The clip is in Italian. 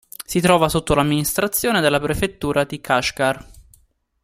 Si trova sotto l'amministrazione della prefettura di Kashgar.